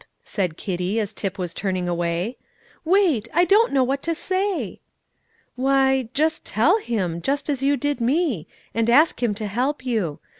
said Kitty, as Tip was turning away; "wait! I don't know what to say." "Why, just tell Him, just as you did me, and ask Him to help you.